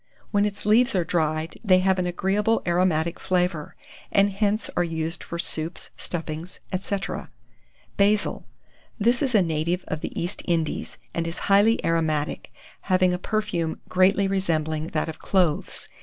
When its leaves are dried, they have an agreeable aromatic flavour; and hence are used for soups, stuffings, &c. BASIL. This is a native of the East Indies, and is highly aromatic, having a perfume greatly resembling that of cloves.